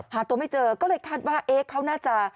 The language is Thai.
หาตัวไม่เจอก็เลยคาดว่าเอ๊ะเขาน่าจะ